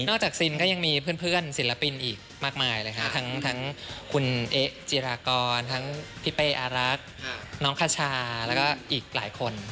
จากซินก็ยังมีเพื่อนศิลปินอีกมากมายเลยค่ะทั้งคุณเอ๊ะจิรากรทั้งพี่เป้อารักษ์น้องคาชาแล้วก็อีกหลายคน